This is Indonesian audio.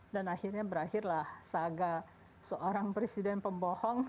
dan akhirnya berakhirlah seagak seorang presiden pembohong